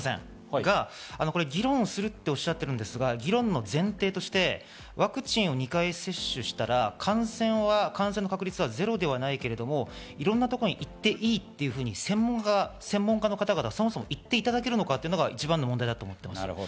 が、議論するとおっしゃっているんですが、議論の前提としてワクチンを２回接種したら感染の確率はゼロではないけれども、いろんなところに行っていいと専門家の方々、そもそも言っていただけるのかが一番の問題だと思っています。